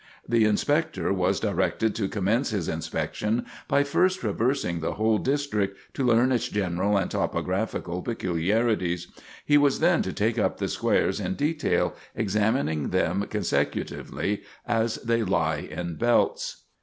The Inspector was directed to commence his inspection by first traversing the whole district, to learn its general and topographical peculiarities. He was then to take up the squares in detail, examining them consecutively as they lie in belts.